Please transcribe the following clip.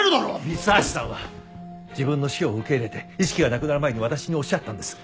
三橋さんは自分の死を受け入れて意識がなくなる前に私におっしゃったんです。